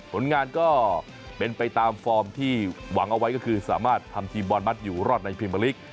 ผลงานก็เป็นไปตามฟอร์มที่หวังเอาไว้ก็คือสามารถทำทีมบอลมัดอยู่รอดในพิมเบอร์ลิก